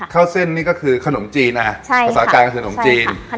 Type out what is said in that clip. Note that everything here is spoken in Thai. ข้าวเส้นนี่ก็คือขนมจีนนะภาษาการก็คือขนมจีน